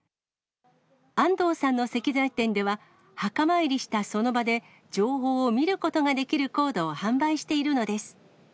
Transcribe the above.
安藤さんの石材店では、墓参りしたその場で、情報を見ることができるコードを販売しているのです。